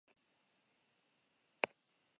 Kirol ibilbide luzea izan duen futbolaria da.